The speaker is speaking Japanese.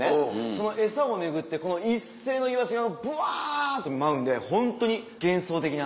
その餌を巡ってこの一斉にイワシがぶわっと舞うんでホントに幻想的な。